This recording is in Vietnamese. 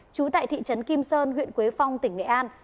trú tại thị trấn kim sơn huyện quế phong tỉnh nghệ an